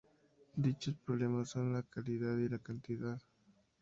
dichos problemas son la calidad y la cantidad